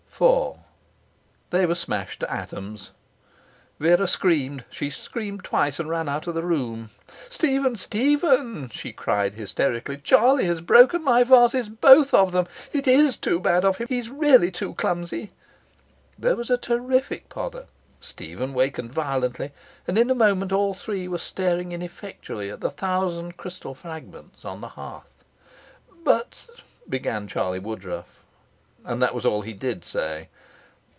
IV They were smashed to atoms. Vera screamed. She screamed twice, and ran out of the room. 'Stephen, Stephen!' she cried hysterically. 'Charlie has broken my vases, both of them. It IS too bad of him. He's really too clumsy!' There was a terrific pother. Stephen wakened violently, and in a moment all three were staring ineffectually at the thousand crystal fragments on the hearth. 'But ' began Charlie Woodruff. And that was all he did say.